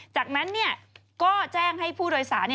จากนั้นก็แจ้งให้ผู้โดยสาร